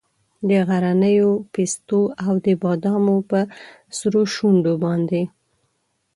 د غرنیو پیستو او د بادامو په سرو شونډو باندې